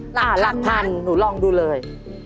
หลักพันหนูลองดูเลย